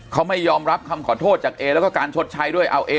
เขาไม่ยอมรับคำขอโทษจากเอแล้วก็การชดใช้ด้วยเอาเอ